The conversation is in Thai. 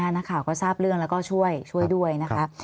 นักข่าวก็ทราบเรื่องแล้วก็ช่วยด้วยนะคะ